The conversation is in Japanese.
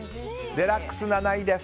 デラックス、７位です。